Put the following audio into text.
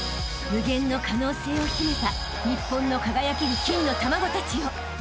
［無限の可能性を秘めた日本の輝ける金の卵たちよ］